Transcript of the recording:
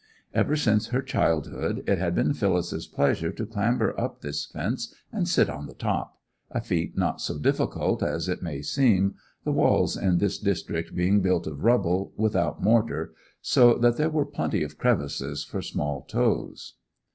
Ever since her childhood it had been Phyllis's pleasure to clamber up this fence and sit on the top—a feat not so difficult as it may seem, the walls in this district being built of rubble, without mortar, so that there were plenty of crevices for small toes.